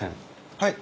はい。